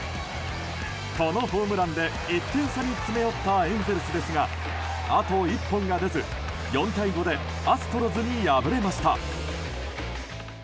このホームランで１点差に詰め寄ったエンゼルスですがあと１本が出ず４対５でアストロズに敗れました。